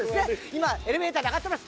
今エレベーターで上がってます。